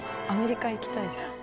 アメリカ行きたいです。